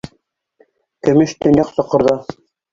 Көмөш төньяҡ соҡорҙа.